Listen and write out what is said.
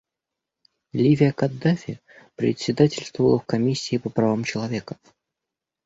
Ливия Каддафи председательствовала в Комиссии по правам человека.